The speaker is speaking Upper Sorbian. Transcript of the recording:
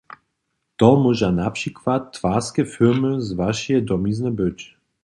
To móža na přikład twarske firmy z wašeje domizny być.